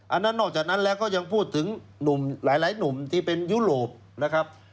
อันนั้นนอกจากนั้นแล้วก็ยังพูดถึงหนุ่มหลายหนุ่มที่เป็นยุโรปนะครับ